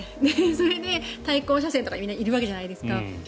それで、対向車線とかにみんないるわけじゃないですか。